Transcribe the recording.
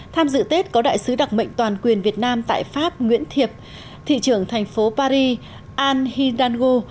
tham dự tết có đại sứ đặc mệnh toàn quyền việt nam tại pháp nguyễn thiệp thị trưởng thành phố paris al hidangu